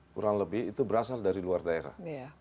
kurang lebih itu berasal dari luar daerah